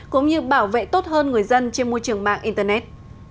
cũng như bảo vệ tốt hơn người dân trên môi trường mạng internet